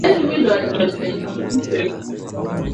sasa hivi mimi ninasema kwamba imesha kufa kabisa kwa sababu